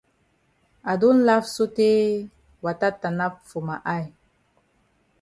I don laf sotay wata tanap for ma eye.